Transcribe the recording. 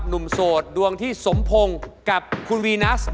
โสดดวงที่สมพงศ์กับคุณวีนัส